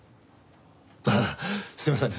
ああすいません。